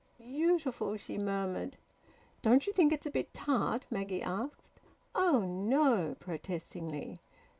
"Beautiful!" she murmured. "Don't you think it's a bit tart?" Maggie asked. "Oh no!" protestingly.